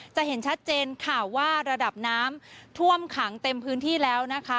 จะเห็นชัดเจนค่ะว่าระดับน้ำท่วมขังเต็มพื้นที่แล้วนะคะ